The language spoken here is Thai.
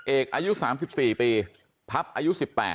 เอกอายุ๓๔ปีพับอายุ๑๘